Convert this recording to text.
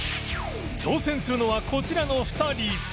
挑戦するのはこちらの２人